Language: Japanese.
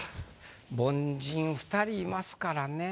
凡人２人いますからね。